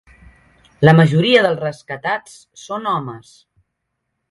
La majoria dels rescatats són homes